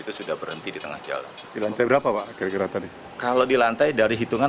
itu sudah berhenti di tengah jalan di lantai berapa pak kira kira tadi kalau di lantai dari hitungan